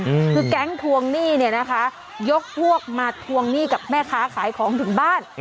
คือแก๊งทวงหนี้เนี่ยนะคะยกพวกมาทวงหนี้กับแม่ค้าขายของถึงบ้าน